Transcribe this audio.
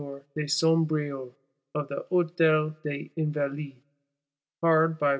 de Sombreuil, of the Hôtel des Invalides hard by. M.